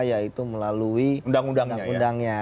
yaitu melalui undang undangnya